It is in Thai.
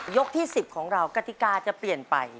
ที่๑๐ของเรากติกาจะเปลี่ยนไป